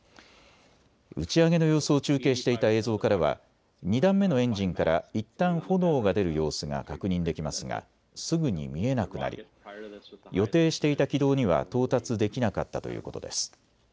打ち上げの様子を中継していた映像からは２段目のエンジンからいったん炎が出る様子が確認できますがすぐに見えなくなり予定していた軌道には到達できなかったということです。